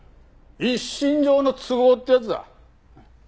一身上の都合ってやつだ。